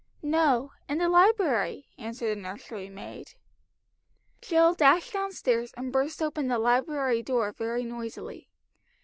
"No, in the library," answered the nursery maid. Jill dashed down stairs, and burst open the library door very noisily.